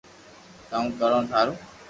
ڪاو ڪرو ٿارو